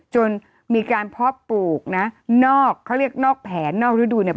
จนมีการเพาะปลูกนะนอกเขาเรียกนอกแผนนอกฤดูเนี่ย